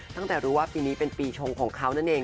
ตั้งแต่รู้ว่าปีนี้เป็นปีชงของเขานั่นเอง